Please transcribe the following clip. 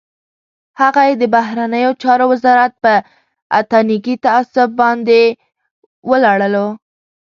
هغه یې د بهرنیو چارو وزارت په اتنیکي تعصب باندې ولړلو.